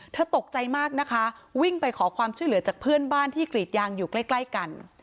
ตกใจมากนะคะวิ่งไปขอความช่วยเหลือจากเพื่อนบ้านที่กรีดยางอยู่ใกล้ใกล้กัน